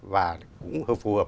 và cũng hợp phù hợp